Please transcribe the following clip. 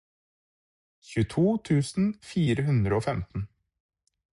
tjueto tusen fire hundre og femten